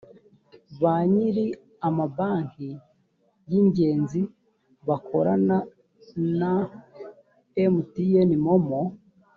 ba nyiri amabanki y ingenzi bakorana na mtnmomo